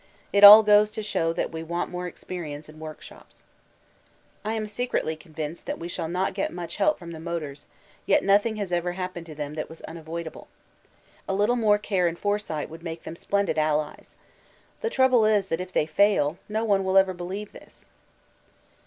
It all goes to show that we want more experience and workshops. I am secretly convinced that we shall not get much help from the motors, yet nothing has ever happened to them that was unavoidable. A little more care and foresight would make them splendid allies. The trouble is that if they fail, no one will ever believe this.